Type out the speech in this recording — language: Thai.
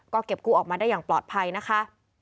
ก็เก็บกู้ออกมาได้อย่างปลอดภัยนะคะ